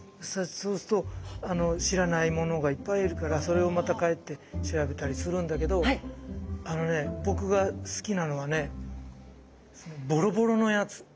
そうすると知らないものがいっぱいいるからそれをまた帰って調べたりするんだけどあのねボボロボロ？